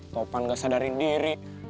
topan gak sadarin diri